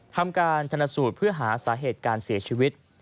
ทำการชนสูตรเพื่อหาสาเหตุการเสียชีวิต